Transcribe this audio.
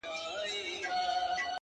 سیاه پوسي ده د مړو ورا ده؛